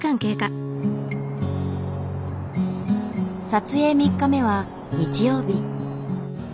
撮影３日目は日曜日。